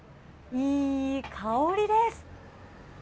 いい香りです。